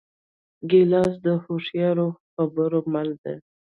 ګیلاس د هوښیارو خبرو مل دی.